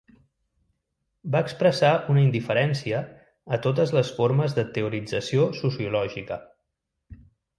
Va expressar una "indiferència" a totes les formes de teorització sociològica.